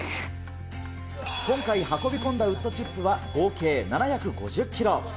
今回運び込んだウッドチップは、合計７５０キロ。